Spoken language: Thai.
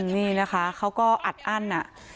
นี่นะคะเขาก็อัดอั้น